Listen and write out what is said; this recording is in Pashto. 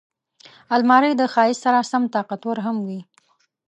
الماري د ښایست سره سم طاقتور هم وي